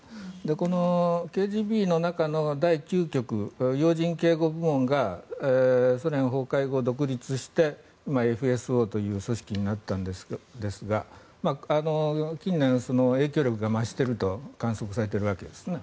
このＫＧＢの中の第９局要人警護部門がソ連崩壊後、独立して今、ＦＳＯという組織になったんですが近年、影響力が増していると観測されているわけですね。